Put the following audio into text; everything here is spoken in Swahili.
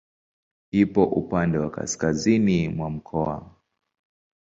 Ipo upande wa kaskazini mwa mkoa.